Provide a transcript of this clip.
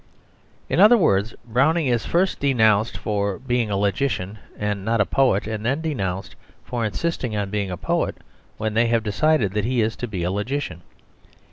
In other words, Browning is first denounced for being a logician and not a poet, and then denounced for insisting on being a poet when they have decided that he is to be a logician.